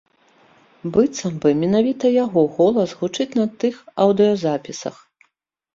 Быццам бы менавіта яго голас гучыць на тых аўдыёзапісах.